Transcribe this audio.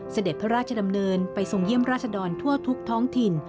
เสด็จพระราชดำเนินไปทรงเยี่ยมราชดรทั่วทุกท้องถิ่น